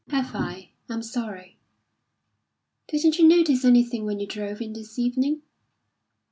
"Have I? I'm sorry." "Didn't you notice anything when you drove in this evening?"